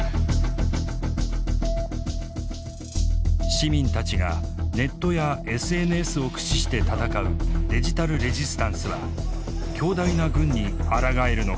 市民たちがネットやＳＮＳを駆使して闘うデジタル・レジスタンスは強大な軍にあらがえるのか。